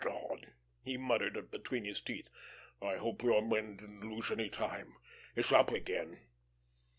"God," he muttered, between his teeth, "I hope your men didn't lose any time. It's up again."